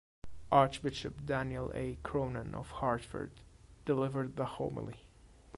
Archbishop Daniel A. Cronin of Hartford delivered the homily.